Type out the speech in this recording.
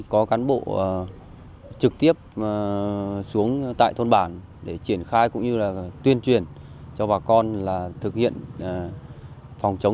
có cán bộ trực tiếp xuống tại thôn bản để triển khai cũng như là tuyên truyền cho bà con là thực hiện phòng chống